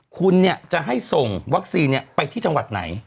คุณจะให้ส่งวัคซีนไปที่จังหวัดไหน